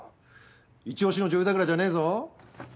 いち押しの女優だからじゃねえぞ。